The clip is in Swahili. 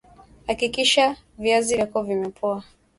hakikisha viazi vyako vimepoa